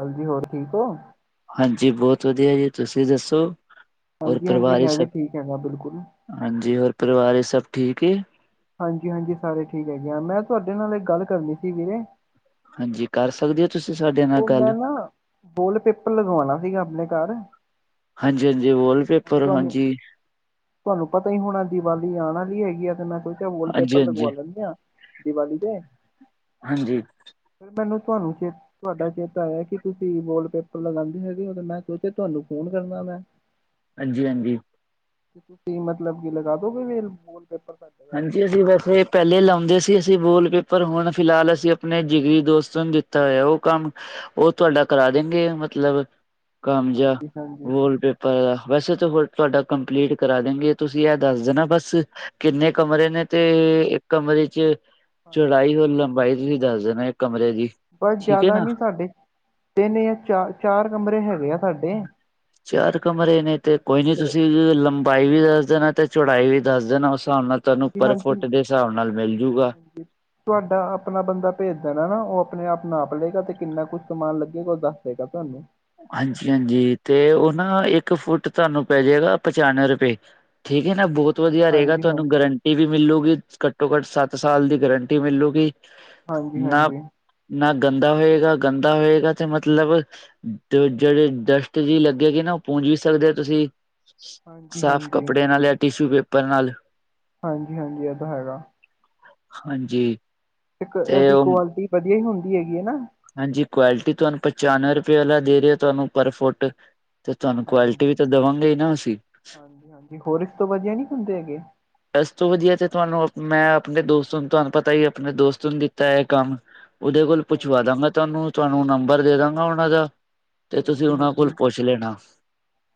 ਹਾਂਜੀ ਹੋਰ ਠੀਕ ਹੋ। ਹਾਂਜੀ ਬਹੁਤ ਵਧੀਆ ਜੀ। ਤੁਸੀਂ ਦੱਸੋ। ਹੋਰ ਹਾਂਜੀ ਹਾਂਜੀ ਪਰਿਵਾਰ ਹੀ ਮੈਂ ਵੀ ਸਭ ਠੀਕ ਹੈਗਾ ਬਿਲਕੁਲ ਹਾਂਜੀ ਹੋਰ ਪਰਿਵਾਰ ਸਭ ਠੀਕ ਏ। ਹਾਂਜੀ, ਹਾਂਜੀ ਸਾਰੇ ਠੀਕ ਹੈਗੇ ਆ। ਮੈਂ ਤੁਹਾਡੇ ਨਾਲ ਇਕ ਗੱਲ ਕਰਨੀ ਸੀ ਵੀਰੇ। ਹਾਂਜੀ ਕਰ ਸਕਦੇ ਹੋ। ਤੁਸੀਂ ਸਾਡੇ ਨਾਲ ਉਹ ਮੈਂ ਗੱਲ ਨਾ, ਬੋਲ ਪੇਪਰ ਲਗਵਾਉਣਾ ਸੀਗਾ ਆਪਣੇ ਘਰ ਹਾਂਜੀ, ਹਾਂਜੀ ਹੁਣ ਵਾਲਪੇਪਰ ਤੁਹਾਨੂੰ ਹਾਂਜੀ। ਤੁਹਾਨੂੰ ਪਤਾ ਹੀ ਹੁਣ ਦੀਵਾਲੀ ਆਉਣ ਵਾਲੀ ਹੈਗੀ ਆ ਤੇ ਮੈਂ ਕੁਈ ਵੋਲ ਹਾਂਜੀ ਪੇਪਰ ਹਾਂਜੀ ਲਗਵਾ ਲੈਂਦੇ ਆ। ਦੀਵਾਲੀ ਦੇ ਹਾਂਜੀ। ਫਿਰ ਮੈਨੂੰ ਤੁਹਾਨੂੰ ਚਿਰ ਤੁਹਾਡਾ ਚੇਤਾ ਆਇਆ ਕਿ ਤੁਸੀਂ ਵਾਲ ਪੇਪਰ ਲਗਾਉਂਦੇ ਹੈਗੇ ਹੋ ਮੈਂ ਸੋਚਿਆ ਤੁਹਾਨੂੰ ਫੋਨ ਕਰਨਾ ਮੈਂ। ਹ [unintelligible] ਹਾਂਜੀ, ਹਾਂਜੀ। ਤੁਸੀਂ ਮਤਲਬ ਕਿ ਲਗਾ ਦੋਗੇ ਵੀ ਬੋਲ ਪੇਪਰ ਹਾਂਜੀ, ਹਾਂਜੀ ਵੈਸੇ ਪਹਿਲੇ ਲਾਉਂਦੇ ਸੀ ਅਸੀਂ ਬੋਲ ਪੇਪਰ ਹੁਣ ਫਿਲਹਾਲ ਅਸੀਂ ਆਪਣੇ ਜਿਗਰੀ ਦੋਸਤ ਨੂੰ ਦਿੱਤਾ ਹੋਇਆ ਉਹ ਕੰਮ ਉਹ ਤੁਹਾਡਾ ਕਰਾ ਦੇਣਗੇ ਮਤਲਬ ਕੰਮ ਜਿਹਾ ਹਾਂਜੀ ਹਾਂਜੀ ਵਾਲ ਪੇ ਹਾ ਵੈਸੇ ਤਾਂ ਹੋਰ ਤੁਹਾਡਾ ਕੰਪਲੀਟ ਕਰਾ ਦੇਗੇ ਤੁਸੀਂ ਇਹ ਦੱਸ ਦੇਣਾ ਬਸ ਕਿੰਨੇ ਕਮਰੇ ਨੇ ਤੇ ਇੱਕ ਕਮਰੇ ਚ ਚੌੜਾਈ ਹਾਂਜੀ ਹੋਰ ਲੰਬਾਈ ਤੁਸੀਂ ਦੱਸ ਦੇਣਾ ਇੱਕ ਕਮਰੇ ਦੀ। ਬਸ ਠੀਕ ਹੈ ਜ਼ਿਆਦਾ ਨਾ ਨੀ ਸਾਡੇ ਤਿੰਨ ਜਾਂ ਚਾਰ, ਚਾਰ ਕਮਰੇ ਹੈਗੇ ਆ ਸਾਡੇ। ਚਾਰ ਕਮਰੇ ਨੇ ਤੇ ਕੋਈ ਨੀ ਤੇ ਤੁਸੀਂ ਲੰਬਾਈ ਵੀ ਦੱਸ ਦੇਣਾ ਤੇ ਚੌੜਾਈ ਵੀ ਦੱਸ ਦੇਣਾ। ਹਿਸਾਬ ਨਾਲ ਤੁਹਾਨੂੰ ਹਾਂਜੀ ਪਰ ਹਾਂਜੀ ਫੁੱਟ ਦੇ ਹਿਸਾਬ ਨਾਲ ਮਿਲ ਜਾਉਗਾ। ਹਾਂਜੀ ਤੁਹਾਡਾ ਆਪਣਾ ਬੰਦਾ ਭੇਜ ਦੇਣਾ ਨਾ ਉਹ ਆਪਣੇ ਆਪ ਨਾਪ ਲਏਗਾ ਤੇ ਕਿੰਨਾ ਕੁਛ ਸਮਾਨ ਲੱਗੇਗਾ ਉਹ ਦੱਸ ਦੇਵੇਗਾ ਤੁਹਾਨੂੰ ਹਾਂਜੀ, ਹਾਂਜੀ ਤੇ ਉਹ ਨਾ ਇੱਕ ਫੁੱਟ ਤੁਹਾਨੂੰ ਪੈ ਜਾਏਗਾ ਪਚਾਨਵੇਂ ਰੁਪਏ ਠੀਕ ਹੈ ਨਾ ਬੋਤ ਤ ਵਧੀਆ ਰਹੇਗਾ ਹਾਂਜੀ ਤੁਹਾਨੂੰ ਹਾਂਜੀ ਗਰੰਟੀ ਵੀ ਮਿਲੂਗੀ ਘੱਟੋ, ਘੱਟ ਸੱਤ ਸਾਲ ਦੀ ਗਰੰਟੀ ਮਿਲੂਗੀ। ਹਾਂਜੀ ਨਾ ਹਾਂਜੀ ਨਾ ਗੰਦਾ ਹੋਏਗਾ। ਗੰਦਾ ਹੋਏਗਾ ਤੇ ਮਤਲਬ ਤੇ ਜਿਹੜੇ ਡਸਟ ਜੀ ਲੱਗੇਗੀ। ਨਾ ਉਹ ਪੂੰਜ ਵੀ ਸਕਦੇ ਹੋ ਤੁਸੀਂ ਹਾਂਜੀ ਸਾਫ਼ ਹਾਂਜੀ ਕੱਪੜੇ ਨਾਲ ਜਾਂ ਟਿਸ਼ੂ ਪੇਪਰ ਨਾਲ ਹਾਂਜੀ, ਹਾਂਜੀ ਇਹਦਾ ਹੈਗਾ। ਹਾਂਜੀ। ਤੇ ਐਦੀ ਉਹ ਕੁਆਲਿਟੀ ਵਧੀਆ ਹੀ ਹੁੰਦੀ ਹੈਗੀ ਹੈ ਨਾ ਹਾਂਜੀ ਕੁਆਲਿਟੀ ਤੁਹਾਨੂੰ ਪਚਾਨਵੇਂ ਰੁਪਏ ਵਾਲਾ ਦੇ ਰਹੇ ਹੋ ਤੁਹਾਨੂੰ ਪਰ ਫੁੱਟ ਤੇ ਤੁਹਾਨੂੰ ਕੁਆਲਿਟੀ ਵੀ ਹਾਂਜੀ ਤਾਂ ਦੇਵਾਂਗੇ ਹੀ ਨਾ ਅਸੀਂ ਹਾਂਜੀ, ਹਾਂਜੀ ਹੋਰ ਇਸ ਤੋਂ ਵਧੀਆ ਨੀ ਹੁੰਦੇ ਹੈਗੇ ਐਸ ਤੋਂ ਵਧੀਆ ਤੇ ਤੁਹਾਨੂੰ ਮੈਂ ਆਪਣੇ ਦੋਸਤ ਨੂੰ ਤੁਹਾਨੂੰ ਪਤਾ ਹੀ ਆਪਣੇ ਦੋਸਤ ਨੂੰ ਦਿੱਤਾ ਹੈ ਕੰਮ ਉਹਦੇ ਕੋਲ ਪੁੱਛਵਾ ਹਾਂਜੀ ਦਾਂਗਾ ਤੁਹਾਨੂੰ- ਤੁਹਾਨੂੰ ਨੰਬਰ ਦੇ ਦਾਂਗਾ ਉਹਨਾਂ ਦਾ ਤੇ ਤੁਸੀਂ ਹਾਂਜੀ ਉਹਨਾਂ ਹਾਂਜੀ ਕੋਲ ਪੁੱਛ ਲੈਣਾ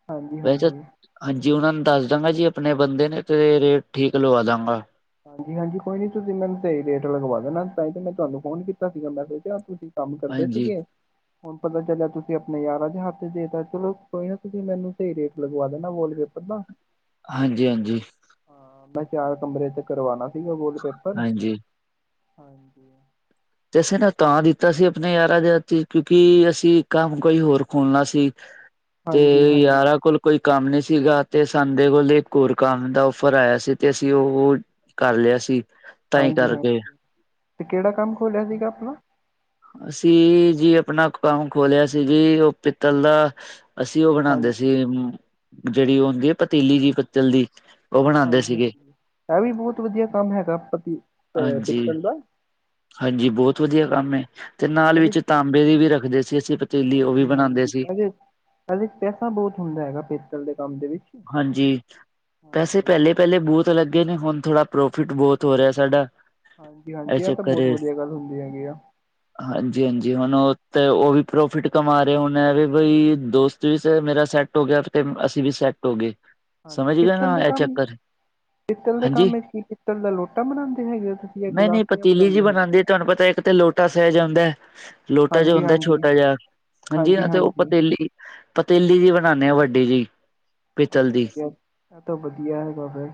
ਹਾਂਜੀ ਵੈੇ ਹਾਂਜੀ ਹਾਂਜੀ ਉਹਨਾਂ ਨੂੰ ਦੱਸ ਦਾਂਗਾ ਜੀ ਆਪਣੇ ਬੰਦੇ ਨੇ। ਤੇ ਰੇਟ ਠੀਕ ਲਵਾ ਦਾਂਗਾ। ਹਾਂਜੀ ਹਾਂਜੀ ਕੋਈ ਨੀ ਤੁਸੀਂ ਮੈਨੂੰ ਸਹੀ ਰੇਟ ਲਗਵਾ ਦੇਣਾ ਤਾਂ ਈ ਤੇ ਮੈਂ ਤੁਹਾਨੂੰ ਫੋਨ ਕੀਤਾ ਸੀਗਾ ਮੈ ਸੋਚੇਆ ਤੁਸੀਂ ਕੰਮ ਕਰਦੇ ਹਾਂਜੀ ਸੀਗੇ ਹੁਣ ਪਤਾ ਚੱਲਿਆ ਤੁਸੀਂ ਆਪਣੇ ਯਾਰਾਂ ਦੇ ਹੱਥ ਦੇ ਤਾ ਚਲੋ ਕੋਈ ਨਾ ਤੁਸੀਂ ਮੈਨੂੰ ਸਹੀ ਰੇਟ ਲਗਵਾ ਦੇਣਾ ਵਾਲਪੇਪਰ ਦਾ [unintelligible] ਹਾਂਜੀ, ਹਾਂਜੀ। ਹਾਂ, ਮੈਂ ਚਾਰ ਕਮਰੇ ਤੇ ਕਰਵਾਣਾ ਸੀਗਾ ਵੋਲ ਪੇਪਰ। ਹਾਂਜੀ ਤੇ, ਅਸੀਂ ਨੇ ਤਾਂ ਦਿੱਤਾ ਸੀ ਆਪਣੇ ਯਾਰਾਂ ਦੇ ਹਥੀ ਕਿਉਂਕਿ ਅਸੀਂ ਕੰਮ ਕੋਈ ਹੋਰ ਖੋਲਣਾ ਸੀ। [unintelligible] ਤੇ ਹਾਂਜੀ ਯਾਰਾਂ ਕੋਲ ਕੋਈ ਕੰਮ ਨਹੀਂ ਸੀਗਾ, ਤੇ ਸਾਡੇ ਕੋਲ ਇੱਕ ਹੋਰ ਕੰਮ ਦਾ ਔਫਰ ਆਇਆ ਸੀ ਤੇ ਅਸੀਂ ਉਹ ਕਰ ਲਿਆ ਸੀ ਤਾਂ ਹੀ ਹਾਂਜੀ ਕਰਕੇ ਹਾਂਜੀ ਤੇ ਕਿਹੜਾ ਕੰਮ ਖੋਲ੍ਹਿਆ ਸੀਗਾ ਆਪਣਾ ਅਸੀਂ, ਜੀ ਆਪਣਾ ਕੰਮ ਖੋਲਿਆ ਸੀ ਜੀ ਉਹ ਪਿੱਤਲ ਦਾ ਅਸੀਂ ਉਹ ਹਾਂਜੀ ਬਣਾਂਦੇ ਸੀ ਜਿਹੜੀ ਉਹ ਹੁੰਦੀ ਹੈ ਪਤੀਲੀ ਜਿਹੀ ਪਿਤਲ ਦੀ ਉਹ ਬਣਾਉਂਦੇ ਹਾਂਜੀ ਸੀਗੇ -ਹਾਂਜੀ ਇਹ ਵੀ ਬੋਤ ਵਧੀਆ ਕੰਮ ਹੈਗਾ ਪਤੀ ਅ ਹਾਂਜੀ ਪਿੱਤਲ ਦਾ ਹਾਂਜੀ, ਬੋਤ ਵਧੀਆ ਕੰਮ ਹੈ। ਤੇ ਨਾਲ ਇਹਦੇ ਵਿੱਚ ਚ ਤਾਂਬੇ ਦੀ ਵੀ ਰੱਖਦੇ ਸੀ ਅਸੀਂ ਪਤੀਲੀ ਉਹ ਵੀ ਬਣਾਦੇ ਸੀ। ਐਦੇ ਚ ਪੈਸਾ ਬੋਤ ਹੁੰਦਾ ਹੈਗਾ ਪਿਤਲ ਦੇ ਕੰਮ ਦੇ ਵਿੱਚ ਹਾਂਜੀ, ਪੈਸੇ ਹਾਂਜੀ ਪੈਲੇ ਪੈਲੇ ਬੋਤ ਲੱਗੇ ਨੇ, ਹੁਣ ਥੋੜਾ ਪ੍ਰੋਫਿਟ ਬੋਤ ਹੋ ਰਿਹਾ ਸਾਡਾ। ਹਾਂਜੀ -ਹਾਂਜੀ ਇਹ ਤਾਂ ਚੱਕਰ ਬੋਤ ਏ ਵਧੀਆ ਗੱਲ ਹੁੰਦੀ ਹੈਗੀ ਆ ਹਾਂਜੀ -ਹਾਂਜੀ ਹੁਣ ਉਹ ਤੇ ਉਹ ਵੀ ਪ੍ਰੋਫਿਟ ਕਮਾ ਰਹੇ, ਹੁਣ ਵੀ ਬਈ ਦੋਸਤ ਵੀ ਮੇਰਾ ਸੈਟ ਸੈਟ ਹੋ ਗਿਆ ਤੇ ਅਸੀਂ ਵੀ ਸੈੱਟ ਹੋ ਗਏ, ਹਾਂਜੀ ਸਮਝ ਗਏ ਪਿੱਤਲ ਨਾ ਦੇ ਇਹ ਕੰਮ ਚੱਕਰ। ਪਿੱਤਲ ਦੇ ਹਾਂਜੀ ਕੰਮ ਵਿੱਚ ਕੀ ਪਿੱਤਲ ਦਾ ਲੋਟਾ ਬਣਾਂਦੇ ਹੈਗੇ ਓ ਤੁਸੀਂ ਇਹ ਨਹੀਂ ਨਹੀਂ ਗਲਾਸੀਆਂ। ਪਤੀਲੀ ਜੀ ਬਣਾਉਂਦੇ ਹੋ ਬਣਾਦੀ ਹੈ ਤੁਹਾਨੂੰ ਪਤਾ ਇੱਕ ਤੇ ਲੋ ਛੋਟਾ ਸੈਜ ਆਂਦਾ ਲੋਟਾ ਜਿਹਾ ਹਾਂਜੀ ਹੁੰਦਾ ਹਾਂਜੀ ਛੋਟਾ ਜਿਹਾ ਹਾਂਜੀ। ਨਾ ਤੇ ਉਹ ਪਤੀਲੀ ਪਤੀਲੀ ਜਿਹੀ ਬਣਾਂਦੇ ਆ ਵੱਡੀ ਜਿਹੀ। ਹਾਂਜੀ, ਇਹ ਤਾਂ ਵਧੀਆ ਹੈਗਾ ਫੇਰ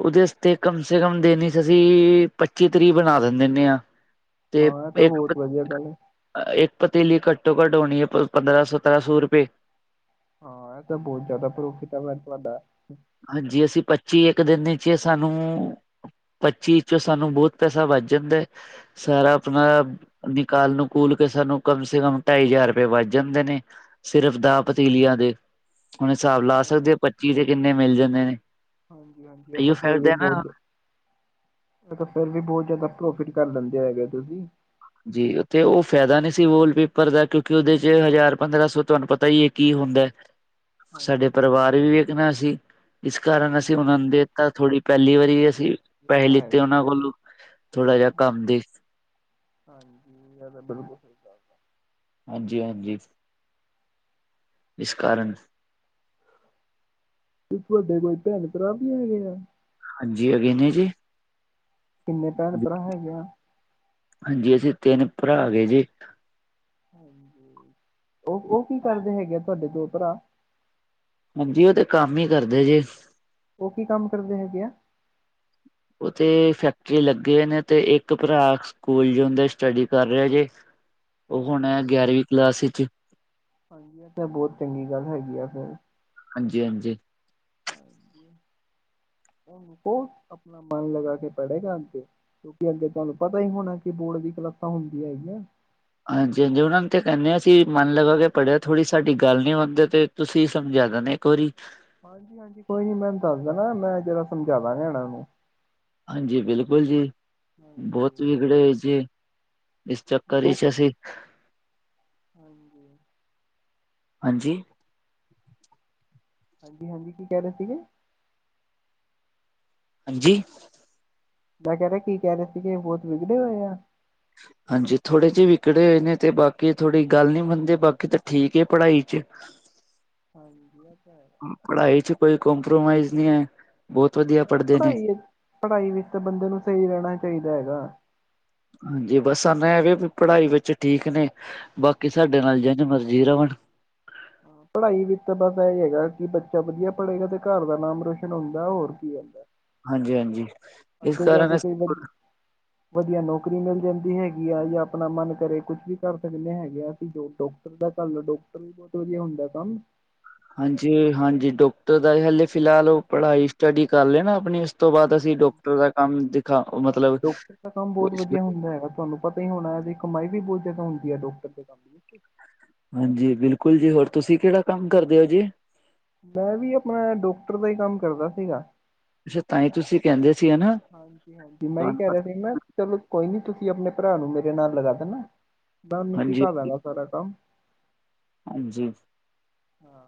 ਉਹਦੇ ਵਾਸਤੇ ਕਮ ਸੇ ਕਮ ਦਿਨਵਿਚ ਅਸੀਂ ਪੱਚੀ ਤਰੀਹ ਬਣਾ ਦੇ ਦਿੰਨੇ ਆ। ਤੇ ਹਾਂ ਇਹ ਤਾਂ ਇੱਕ ਪ ਬਹੁਤ ਵਧੀਆ ਗੱਲ ਹੈ ਇੱਕ ਪਤੀਲੀ ਘੱਟੋ ਘੱਟ ਹੋਣੀ ਹੈ ਪੰਦਰਾਂ- ਸਤਰਾਂ ਸੌ ਰੁਪਏ। ਹਾਂ ਇਹ ਤਾਂ ਬਹੁਤ ਜ਼ਿਆਦਾ ਪਰੋਫਿਟ ਹੈਗਾ ਤੁਹਾਡਾ। ਹਾਂਜੀ ਹਾਂਜੀ, ਅਸੀਂ ਪੱਚੀ ਇੱਕ ਦਿਨ ਚ ਸਾਨੂੰ ਪੱਚੀ ਚੋਂ ਸਾਨੂੰ ਬਹੁਤ ਪੈਸਾ ਵੱਚ ਜਾਂਦਾ ਹੈ ਸਾਰਾ ਮਲਬ, ਹਾਂਜੀ ਨਿਕਾਲ- ਨੁਕੂਲ ਕੇ ਸਾਨੂੰ ਕਮ ਸੇ ਕਮ ਢਾਈ ਹਜ਼ਾਰ ਰੁਪਏ ਵੱਜ ਜਾਂਦੇ ਨੇ। ਸਿਰਫ ਹਾਂ ਦਾ ਪਤੀਲੀਆਂ ਦੇ, ਹੁਣ ਹਿਸਾਬ ਲਾ ਇਹ ਤਾਂ- ਸਕਦੇ ਹੋ ਪੱਚੀ ਦੇ ਕਿੰਨੇ ਮਿਲ ਜਾਂਦੇ ਨੇ? ਹਾਂਜੀ ਹਾਂਜੀ ਇਹ ਇਓ ਤਾਂ ਫਾਈਦੇ ਨਾ‌। ਫੇਰ ਤਾਂ ਔਰ ਵੀ ਬਹੁਤ ਜ਼ਿਆਦਾ ਪ੍ਰੋਫਿਟ ਕਰ ਲੈਂਦੇ ਹੈਗੇ ਤੁਸੀਂ। ਜੀ, ਔਥੇ ਉਹ ਫਾਇਦਾ ਨਹੀਂਸੀ ਵੋਲਪੇਪਰ ਦਾ, ਕਿਉਂਕਿ ਉਹਦੇ ਚ ਹਜ਼ਾਰ ਪੰਦਰਾਂ ਸੌ ਤੁਹਾਨੂੰ ਪਤਾ ਈ ਏ ਕੀ ਹੁੰਦਾ। ਹ। ਸਾਡੇ ਪਰਿਵਾਰ ਵੀ ਵੇਖਣਾ ਅਸੀ। ਇਸ ਕਾਰਨ ਅਸੀਂ ਹਾਂਜੀ ਉਹਨਾਂ ਨੂੰ ਦੇ ਹਾਂਜੀ ਦਿਤਾਂ ਥੋੜੀ ਪਹਿਲੀ ਵਾਰੀ ਵੀ ਅਸੀਂ ਇਹ ਪੈਸੇ ਤਾਂ ਲਿੱਤੇ ਹੈਗਾ ਉਹਨਾਂ ਕੋਲੋਂ। ਥੋੜਾ ਜਿਹਾ ਹਾਂਜੀ ਕੰਮ ਦੇ ਹਾਂਜੀ, ਇਹ ਤਾਂ ਬਿਲਕੁਲ ਸਹੀ ਕਹਿ ਤਾ। ਹਾਂਜੀ -ਹਾਂਜੀ। ਇਸ ਕਾਰਨ। ਤੇ ਤੁਹਾਡੇ ਕੋਈ ਭੈਣ ਭਰਾ ਵੀ ਹੈਗੇ ਆ? ਹਾਂਜੀ, ਹੈਗੇ ਜੇ ਜੀ। ਕਿੰਨੇ ਭੈਣ ਭਰਾ ਹੈਗੇ ਆ? ਹਾਂਜੀ, ਅਸੀਂ ਤਿੰਨ ਭਰਾ ਹੈਗੇ ਜੇ। ਹਾਂਜੀ। ਉਹ -ਉਹ ਕੀ ਕਰਦੇ ਹੈਗੇ ਆ ਤੁਹਾਡੇ ਦੋ ਭਰਾ? ਹਾਂਜੀ, ਉਹ ਤੇ ਕੰਮ ਹੀ ਕਰਦੇ ਜੇ। ਉਹ ਕੀ ਕੰਮ ਕਰਦੇ ਹੈਗੇ ਆ? ਉਥੇ ਫੈਕਟਰੀ ਲੱਗੇ ਨੇ ਤੇ ਇੱਕ ਭਰਾ ਸਕੂਲ ਜਉਦਾ ਸਟੱਡੀ ਕਰ ਰਿਹਾ ਹਜੇ। ਉਹ ਹੁਣ ਹਾਂਜੀ ਆ ਗਿਆਰਵੀਂ ਕਲਾਸ ਵਿੱਚ। ਹਾਂਜੀ ਐ ਤੇ ਬਹੁਤ ਚੰਗੀ ਗੱਲ ਹੈਗੀ ਆ ਫੇਰ। ਹਾਂਜੀ- ਹਾਂਜੀ। ਹਾਂਜੀ ਉਹਨੂੰ ਕਹੋ ਆਪਣਾ ਮਨ ਲਗਾ ਕੇ ਪੜੇਗਾ ਅਗੇ। ਕਿਉਂਕਿ ਅੱਗੇ ਤੁਹਾਨੂੰ ਪਤਾ ਹੀ ਹੋਣਾ ਕਿ ਬੋਰਡ ਦੀ ਕਲਾਸਾਂ ਹੁੰਦੀਆਂ ਹੈਗੀਆਂ। ਹਾਂਜੀ- ਹਾਂਜੀ ਉਹਨਾ ਨੂੰ ਤੇ ਕਹਿੰਦੇ ਹ ਅਸੀਂ ਮਨ ਲਗਾ ਕੇ ਪੜਿਆ ਥੋੜੀ ਸਾਡੀ ਗੱਲ ਨੀ ਮੰਣਦੇ ਤੇ। ਤੁਸੀਂ ਸਮਝਾ ਦੇਣਾ ਇੱਕ ਵਾਰੀ। ਹਾਂਜੀ- ਹਾਂਜੀ ਕੋਈ ਨੀ ਮੈ ਓਨੂੰ ਦੱਸ ਦਾਂਗਾ ਮੈਂ ਜਰਾ ਸਮਝਾਵਾਂਗਾ ਇਹਨਾਂ ਨੂੰ। ਹਾਂਜੀ ਬਿਲਕੁਲ ਜੀ, ਬੋਤ ਹਾਂਜੀ ਵਿਗੜੇ ਹੋਏ ਸੀ ਇਸ ਚੱਕਰ ਵਿੱਚ ਅਸੀਂ। ਹਾਂਜੀ। ਹਾਂਜੀ? ਹਾਂਜੀ- ਹਾਂਜੀ ਕੀ ਕਹਿ ਰਹੇ ਸੀਗੇ? ਹਾਂ ਜੀ। ਮੈਂ ਕਹਿ ਰਿਹਾ ਕੀ ਕਹਿ ਰਹੇ ਸੀਗੇ ਬਹੁਤ ਵਿਗੜੇ ਹੋਏ ਆ। ਹਾਂਜੀ ਥੋੜੇ ਜਿਹੇ ਵਿਕੜੇ ਹੋਏ ਨੇ, ਤੇ ਬਾਕੀ ਥੋੜੀ ਗੱਲ ਨਹੀਂ ਮੰਨਦੇ, ਬਾਕੀ ਤਾਂ ਠੀਕ ਹੈ ਪੜਾਈ ਚ। ਹਾਂਜੀ ਆ ਤਾਂ ਐ। ਪੜਾਈ ਚ ਕੋਈ ਕਪ੍ਰੋਮਾਈਜ਼ ਨਹੀਂ ਐ। ਹਾਂ ਪੜਾਈ ਵਿਚ- ਪੜਾਈ ਵਿੱਚ ਤਾਂ ਬੰਦੇ ਨੂੰ ਸਹੀ ਰਹਿਣਾ ਚਾਹੀਦਾ ਹੈਗਾ। ਹਾਂਜੀ ਬਸ ਸਾਨੂੰ ਇਹ ਗੈਗਾ ਕੀ ਪੜਾਈ ਵਿੱਚ ਠੀਕ ਨੇ ਬਾਕੀ ਹਾਂ। ਸਾਡੇ ਨਾਲ ਜਦ ਮਰਜ- ਜ਼ੀਰਾਬਣ। ਹਾਂ ਪੜ੍ਹਾਈ ਵਿੱਚ ਤਾਂ ਬਸ ਇਹ ਹੈਗਾ ਕਿ ਬੱਚਾ ਵਧੀਆ ਪੜ੍ਹੇਗਾ ਤੇ ਘਰ ਦਾ ਨਾਮ ਰੋਸ਼ਨ ਹੁੰਦਾ ਹੋਰ ਕੀ ਹੈ ਹਾਂਜੀ! ਹਾਂਜੀ! ਇਸ ਕਾਰਨ ਕੋਈ ਵ ਵੈਸੇ ਵਧੀਆ ਨੌਕਰੀ ਮਿਲ ਜਾਂਦੀ ਹੈਗੀ ਆ ਜਾਂ ਆਪਣਾ ਮਨ ਕਰੇ ਕੁਛ ਵੀ ਕਰ ਸਕਦੇ ਹੈਗੇ ਆ ਅਸੀਂ ਜੋ ਉਦਾਂ ਕਰਲੋ ਡਾਕਟਰ ਵੀ ਬਹੁਤ ਵਧੀਆ ਹੁੰਦਾ ਕੰਮ ਹਾਂਜੀ! ਹਾਂਜੀ! ਡਾਕਟਰ ਦਾ ਇਹ ਹਲੇ ਫਿਲਹਾਲ ਉਹ ਪੜ੍ਹਾਈ ਸਟੱਡੀ ਕਰ ਲੈ ਨਾ ਆਪਣੀ ਉਸ ਤੋਂ ਬਾਅਦ ਅਸੀਂ ਹਾਂਜੀ ਹਾਂ ਡੋਕਟਰ ਦਾ ਕੰਮ ਦਿਖਾ ਹਾਂ ਮਤਲਬ ਡਾਕਟਰ ਦਾ ਕੰਮ ਬਹੁਤ ਵਧੀਆ ਹੁੰਦਾ ਹੈਗਾ ਤੁਹਾਨੂੰ ਪਤਾ ਹੀ ਹੋਣਾ ਇਹਦੀ ਕਮਾਈ ਵੀ ਬਹੁਤ ਜਿਆਦਾ ਹੁੰਦੀ ਹੈ ਡਾਕਟਰ ਦੇ ਕੰਮ ਦੀ ਹਾਂਜੀ! ਬਿਲਕੁਲ ਜੀ! ਹੋਰ ਤੁਸੀਂ ਕਿਹੜਾ ਕੰਮ ਕਰਦੇ ਹੋ ਜੀ? ਮੈਂ ਵੀ ਆਪਣਾ ਡਾਕਟਰ ਦਾ ਹੀ ਕੰਮ ਕਰਦਾ ਸੀਗਾ ਅੱਛਾ ਤਾਂ ਹੀ ਤੁਸੀਂ ਕਹਿੰਦੇ ਸੀ ਹਨਾ ਹਾਂਜੀ! ਹਾਂਜੀ! ਮੈਂ ਹੀ ਤੁਹਾਨੂੰ ਕਹਿ ਰਿਹਾ ਪਤਾ ਸੀ ਮੈਂ ਚਲੋ ਕੋਈ ਨੀ ਤੁਸੀਂ ਆਪਣੇ ਭਰਾ ਨੂੰ ਮੇਰੇ ਨਾਲ ਲਗਾ ਦੇਣਾ ਮੈਂ ਉਹਨੂੰ ਹਾਂਜੀ ਸਿਖਾ ਦਾਂਗਾ ਸਾਰਾ ਕੰਮ ਹਾਂਜੀ! ਹਾਂ!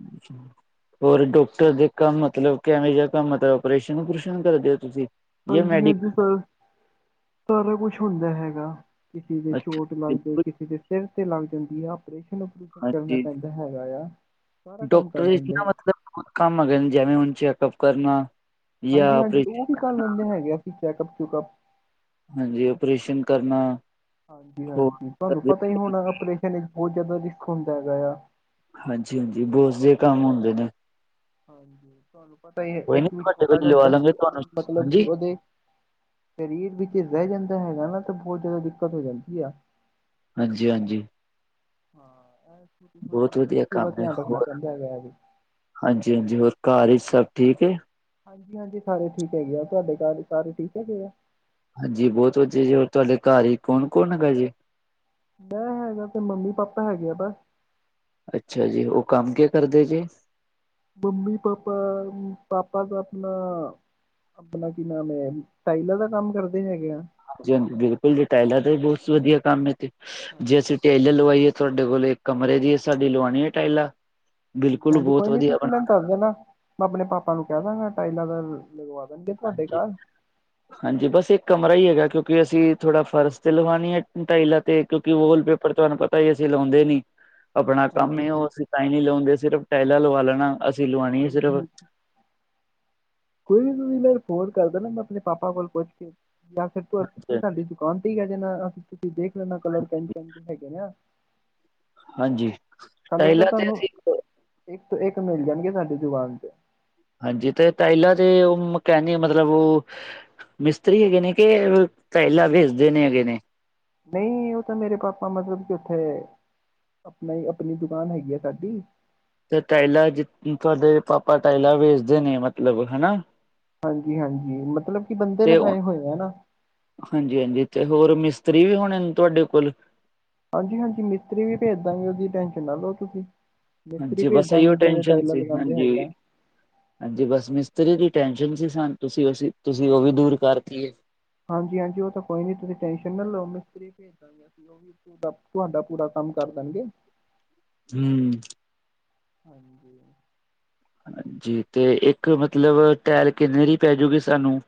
ਅੱਛਾ! ਹੋਰ ਡਾਕਟਰ ਦੇ ਕੰਮ ਮਤਲਬ ਕਿਵੇਂ ਜਿਹਾ ਕੰਮ ਮਤਲਬ ਆਪਓਰੇਸ਼ਨ ਓਪਰੇਸ਼ਨ ਕਰਦੇ ਹੋ ਤੁਸੀਂ? ਯ ਹਾਂਜੀ! ਹਾਂਜੀ! ਮੈਡੀਕਲ ਸਰ ਸਾਰਾ ਕੁਛ ਹੁੰਦਾ ਹੈਗਾ ਕਿਸੇ ਦੇ ਅੱਛਾ ਚੋਟ ਲੱਗ- ਲੱਗੁ ਗਈ ਬਿਲਕੁਲ ਕਿਸੇ ਦੇ ਸਿਰ ਤੇ ਲੱਗ ਜਾਂਦੀ ਆ ਆਪਓਰੇਸ਼ਨ- ਉਓਪਰੇਸ਼ਨ ਕਰਨਾ ਹਾਂਜੀ ਪੈਂਦਾ ਹੈਗਾ ਆ ਕੰਮ ਕਰ ਡਾਕਟਰ ਵਿੱਚ ਲੈਂਦੇ ਨਾ ਹੈ ਮਤਲਬ ਬਹੁਤ ਕੰਮ ਹੈਗੇ ਨੇ ਜੈਵੇ ਹੁਨ ਚੈਕਅਪ ਕਰਨਾ ਜਾਂ ਹਾਂਜੀ! ਹਾਂਜੀ! ਉਹ ਆਪਰੇਸ਼ਨ ਵੀ ਕਰ ਲੈਂਦੇ ਹੈਗੇ ਅਸੀਂ ਚੈਕਅਪ- ਚੁੱਕਅਪ ਹਾਂਜੀ! ਓਪਰੇਸ਼ਨ ਕਰਨਾ ਹਾਂਜੀ! ਹੋਰ ਹਾਂਜੀ! ਤੁਹਾਨੂੰ ਪਤਾ ਹੀ ਹੋਣਾ ਪਰੇਸ਼ਾਨ 'ਚ ਬਹੁਤ ਜ਼ਿਆਦਾ ਰਿਸਕ ਹੁੰਦਾ ਹੈਗਾ ਆ ਹਾਂਜੀ! ਹਾਂਜੀ! ਬਹੁਤ ਜਿਹੇ ਹਾਂਜੀ ਕੰਮ ਹੁੰਦੇ ਨੇ ਹਾਂਜੀ! ਤੁਹਾਨੂੰ ਪਤਾ ਹੀ ਕੋਈ ਨੀ ਇੱਕ ਵੀ ਤੁਹਾਡੇ ਛੋਟਾ ਕੋਲ ਜਿਹਾ ਲਵਾ ਦਸ ਲਾਂਗੇ ਤੁਹਾਨੂੰ ਮਤਲਬ ਕਿ ਹਾਂਜੀ ਉਹਦੇ ਸਰੀਰ ਵਿੱਚ ਰਹਿ ਜਾਂਦਾ ਹੈਗਾ ਨਾ ਤਾਂ ਬਹੁਤ ਜ਼ਿਆਦਾ ਦਿੱਕਤ ਹੋ ਜਾਂਦੀ ਆ‌। ਹਾਂਜੀ! ਹਾਂਜੀ! ਹਾਂ! ਐ ਛੋਟੀ- ਛੋਟੀ ਬਹੁਤ ਗੱਲਾਂ ਦਾ ਵਧੀਆ ਪੂਰਾ ਕੰਮ ਹੈ ਧਿਆਨ ਰੱਖਣਾ ਹੋਰ ਪੈਂਦਾ ਹੈਗਾ ਜੀ ਹਾਂਜੀ! ਹਾਂਜੀ! ਹੋਰ ਘਰ ਵਿੱਚ ਸਭ ਠੀਕ ਹੈ ਹਾਂਜੀ! ਹਾਂਜੀ! ਸਾਰੇ ਠੀਕ ਹੈਗੇ ਆ, ਤੁਹਾਡੇ ਘਰ ਸਾਰੇ ਠੀਕ ਹੈਗੇ ਆ ਹਾਂਜੀ! ਬਹੁਤ ਵਧੀਆ ਜੀ ਹੋਰ ਤੁਹਾਡੇ ਘਰ ਹੀ ਕੌਣ- ਕੌਣ ਹੈਗਾ ਜੀ? ਮੈਂ ਹੈਗਾ ਤੇ ਮੰਮੀ, ਪਾਪਾ ਹੈਗੇ ਆ ਬ। ਅੱਛਾ ਜੀ! ਉਹ ਕੰਮ ਕਿਆ ਕਰਦੇ ਜੇ? ਮੰਮੀ- ਪਾਪਾ, ਪਾਪਾ ਤਾਂ ਆਪਣਾ ਆਪਣਾ ਕੀ ਨਾਮ ਹੈ ਟਾਇਲਾਂ ਦਾ ਕੰਮ ਕਰਦੇ ਹੈਗੇ ਆ ਹਾਂਜੀ! ਹਾਂਜੀ! ਬਿਲਕੁਲ ਜੀ! ਟਾਇਲਾਂ ਦਾ ਵੀ ਬਹੁਤ ਵਧੀਆ ਕੰਮ ਹੈ ਤੇ ਜੇ ਅਸੀਂ ਹਾਂਜੀ ਟੇਲਰ। ਲਵਾਈ ਹੈ ਤੁਹਾਡੇ ਕੋਲ ਕਮਰੇ ਦੀ ਹੈ, ਸਾਡੀ ਲਵਾਉਣੀ ਹੈ ਟਾਇਲਾਂ ਹਾਂਜੀ ਬਿਲਕੁਲ ਹਾਂਜੀ ਬਹੁਤ ਕੋਈ ਨੀ ਵਧੀਆ ਤੁਸੀਂ ਬਣਾ। ਮੈਨੂੰ ਦੱਸ ਦੇਣਾ ਮੈਂ ਆਪਣੇ ਪਾਪਾ ਨੂੰ ਕਹਿ ਦਾਗਾ ਟਾਈਲਾਂ ਦਾ ਲਗਵਾ ਦੇਣਗੇ ਤੁਹਾਡੇ ਹਾਂਜੀ ਘਰ ਹਾਂਜੀ! ਬਸ ਇੱਕ ਕਮਰਾ ਹੀ ਹੈਗਾ ਕਿਉਂਕਿ ਅਸੀਂ ਥੋੜ੍ਹਾ ਫਰਸ ਤੇ ਲਵਾਉਣੀ ਹੈ ਟਾਈਲਾਂ ਤੇ ਕਿਉਂਕਿ ਵੋਲ ਪੇਪਰ ਤੁਹਾਨੂੰ ਪਤਾ ਹੈ ਅਸੀਂ ਲਾਉਂਦੇ ਨਹੀਂ ਆਪਣਾ ਕੰਮ ਹੀ ਹਾਂਜੀ ਹੈ ਉਹ ਹਾਂਜੀ ਅਸੀਂ ਤਾਂਹੀ। ਕਿ ਲਾਉਂਦੇ ਸਿਰਫ਼ ਟਾਇਲਾਂ ਲਵਾ ਲੈਣਾ। ਅਸੀ ਲਵਾਣੀ ਹਾਂਜੀ! ਹਾਂਜੀ! ਕੋਈ ਨੀ ਤੁਸੀਂ ਮੈਨੂੰ ਫੋਨ ਕਰ ਦੇਣਾ ਮੈਂ ਆਪਣੇ ਪਾਪਾ ਕੋਲ ਪੁੱਛ ਕੇ। ਜਾਂ ਫਿਰ ਹਾਂਜੀ ਸਾਡੀ ਦੁਕਾਨ ਤੇ ਈ ਆ ਜਾਣਾ, ਤੁਸੀਂ ਦੇਖ ਲੈਣਾ ਕਲਰ ਕੋਣ ਸਾ ਹੈਗਾ ਨਾ। ਹਾਂਜੀ। ਕਲਰ ਤਾਂ ਟਾਇਲਾਂ ਤੇ ਤਾਨੂੰ ਅਸੀਂ ਇੱਕ ਤੋਂ ਇੱਕ ਮਿਲ ਜਾਣਗੇ ਸਾਡੀ ਦੁਕਾਨ ਤੇ। ਹਾਂਜੀ ਤੇ ਪਹਿਲਾਂ ਦੇ ਉਹ ਮਕੈਨਿਕ ਮਤਲਬ ਉਹ ਮਿਸਤਰੀ ਹੈਗੇ ਨੇ ਕਿ ਪਹਿਲਾਂ ਵੇਚਦੇ ਨੇ ਹੈਗੇ ਨੇ। ਨਈਂ ਉਹ ਤਾਂ ਮੇਰੇ ਪਾਪਾ ਮਤਲਬ ਕਿ ਉੱਥੇ ਆਪਣਾ ਈ ਆਪਣੀ ਦੁਕਾਨ ਹੈਗੀ ਆ ਸਾਡੀ। ਤੇ ਟਾਇਲ ਜ ਤੁਹਾਡੇ ਪਾਪਾ ਟਾਇਲ ਵੇਚਦੇ ਨੇ ਮਤਲਬ ਹਨਾਂ? ਹਾਂਜੀ ਹਾਂਜੀ, ਮਤਲਬ ਕਿ ਬੰਦੇ ਤੇ ਲਗਾਏ ਹੋਏ ਆ ਨਾ। ਹਾਂਜੀ ਹਾਂਜੀ ਤੇ ਹੋਰ ਮਿਸਤਰੀ ਵੀ ਹੋਣੇ ਨੇ ਤੁਹਾਡੇ ਕੋਲ ਹਾਂਜੀ ਹਾਂਜੀ ਮਿਸਤਰੀ ਵੀ ਭੇਜ ਦਾਂਗੇ ਉਹਦੀ ਟੈਸ਼ਨ ਨਾ ਲਓ ਤੁਸੀਂ। ਮਿਸਤਰੀ ਹਾਂਜੀ ਭੇਜ ਬਸ ਇਹੀਓ ਦਾਂਗੇ ਜਿਹੜੇ ਟੈਨਸ਼ਨ ਟਾਈਲਾਂ ਸੀ, ਲਗਾਉਂਦੇ ਹਾਂਜੀ। ਹੈਗੇ ਆ ਹਾਂਜੀ ਬਸ ਮਿਸਤਰੀ ਦੀ ਟੈਸ਼ਨ ਸੀ ਸਾਨ ਤੁਸੀਂ ਅਸ ਤੁਸੀਂ ਉਹ ਵੀ ਦੂਰ ਕਰਤੀਏ। ਹਾਂਜੀ ਹਾਂਜੀ ਉਹ ਤਾਂ ਕੋਈ ਨੀ, ਤੁਸੀਂ ਟੈਨਸ਼ਨ ਨਾ ਲਓ ਮਿਸਤਰੀ ਭੇਜ ਦਾਂਗੇ। ਪਰ ਤੁਹਾਡਾ ਪੂਰਾ ਕੰਮ ਕਰ ਦੇਣਗੇ। ਹਂ ਹਾਂਜੀ। ਹਾਂਜੀ ਤੇ ਇੱਕ ਮਤਲਬ ਟੈਲ ਕਿੰਨੇ ਦੀ ਪੈਜੂਗੀ ਸਾਨੂੰ।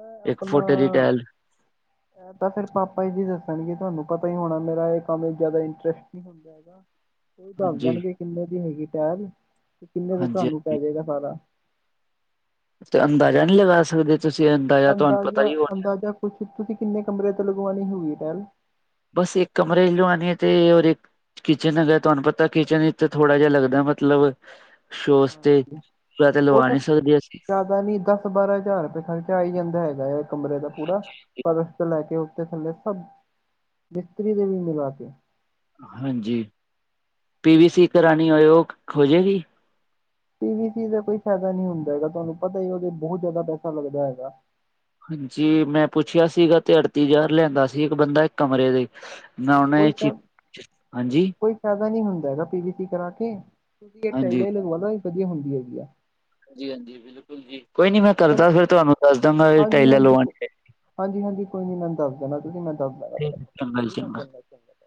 ਏ ਇੱਕ ਆਪਣਾ ਫੁੱਟ ਦੀ ਟੈਲ ਤਾਂ ਫਿਰ ਪਾਪਾ ਜੀ ਦੱਸਣਗੇ ਤੁਆਨੂੰ ਪਤਾ ਈ ਹੋਣਾ ਮੇਰਾ ਇਹ ਕੰਮ ਜ਼ਿਆਦਾ ਇੰਟਰਸਟ ਨੀਂ ਜਾਦਾ ਉਹਈ ਦੱਸ ਹਾਂਜੀ ਦੇਣਗੇ ਕਿੰਨੇ ਦੀ ਹੈਗੀ ਟੈਲ ਤੇ ਕਿੰਨੇ ਦਾ ਹਾਂਜੀ ਤੁਹਾਨੂੰ ਹਾਂਜੀ ਪੈ ਜਾਏਗਾ ਸਾਰਾ। ਤੇ ਅੰਦਾਜਾ ਨਈਂ ਲਗਾ ਸਕਦੇ ਤੁਸੀਂ ਅੰਦਾਜ਼ਾ ਤੁਆਨੂੰ ਪਤਾ ਈ ਹੋਣਾ। ਤੁਸੀਂ ਤੁਸੀਂ ਕਿੰਨੇ ਕਮਰੇ ਤੇ ਲਗਵਾਉਣੀ ਹੋਊਗੀ ਟੈਲ। ਬਸ ਇੱਕ ਕਮਰੇ ਚ ਲਵਾਣੀ ਤੇ ਔਰ ਇੱਕ ਕਿਚਨ ਹੈਗਾ ਤੁਆਨੂੰ ਪਤਾ ਕਿਚਨ ਵਿੱਚ ਥੋੜ੍ਹਾ ਜਿਆ ਲੱਗਦਾ ਮਤਲਬ ਸੋਸ਼ਤੇ ਹਾਂਜੀ ਪ ਤੇ ਲਵਾ ਨਈਂ ਸਕਦੇ ਅਸੀਂ। ਪਤਾ ਨੀ ਦਸ-ਬਾਰਾਂ ਹਜ਼ਾਰ ਰੁਪਏ ਖਰਚਾ ਆ ਈ ਜਾਂਦਾ ਹੈਗਾ ਐ ਕਮਰੇ ਦਾ ਪੂਰਾ। ਪਰਸ਼ ਤੋਂ ਲੈ ਕੇ ਉੱਤੇ ਥੱਲੇ ਸਭ ਬਿਸਤਰੀ ਦੇ ਵੀ ਮਿਲਾ ਕੇ। ਹਾਂਜੀ ਪੀ ਵੀ ਸੀ ਹਾਂਜੀ ਕਰਾਣੀ ਹੋਏ ਉਹ ਹੋਜੇਗੀ। ਪੀ ਵੀ ਸੀ ਦਾ ਕੋਈ ਫੈਦਾ ਨਈਂ ਹੁੰਦਾ ਹੈਗਾ, ਤੁਆਨੂੰ ਪਤਾ ਈ ਐ ਉਹਦੇ ਚ ਬੋਤ ਜ਼ਿਆਦਾ ਪੈਸਾ ਲੱਗਦਾ ਹੈਗਾ। ਜੀ ਮੈਂ ਪੁੱਛਿਆ ਸੀਗਾ ਤੇ ਅੜਤੀ ਹਜ਼ਾਰ ਲੈਂਦਾ ਸੀ ਇੱਕ ਬੰਦਾ ਇੱਕ ਕਮਰੇ ਦੇ। ਮੈਂ ਏ ਕੋਈ ਫ ਚਿਪ ਕੋਈ ਫੈਦਾ ਨੀਂ ਹੁੰਦਾ ਹੈਗਾ ਪੀ ਵੀ ਸੀ ਕਰਾ ਕੇ, ਤੁਸੀਂ ਇਹ ਹਾਂਜੀ ਟਾਇਲਾਂ ਈ ਲਗਵਾ ਲੋ। ਵਧੀਆ ਹੁੰਦੀ ਹੈਗੀ ਆ। ਜੀ ਹਾਂਜੀ ਬਿਲਕੁਲ ਜੀ, ਕੋਈ ਨੀ ਮੈਂ ਕਰਦਾ ਫਿਰ ਤੁਆਨੂੰ ਦੱਸ ਦਾਂਗਾ ਹਾਂਜੀ ਟਾਈਲਾਂ ਹਾਂਜੀ ਲਵਾ ਕੋ- ਹਾਂਜੀ ਹਾਂਜੀ ਕੋਈ ਨੀਂ ਮੈਂਨੂੰ ਦੱਸ ਦੇਣਾ ਤੁਸੀਂ ਮੈਂ ਦੱਸ ਦਾਂਗਾਂ ਆਪਣੇ, ਚੰਗਾ ਜੀ ਠੀਕ ਐ ਚੰਗਾ ਚੰਗਾ।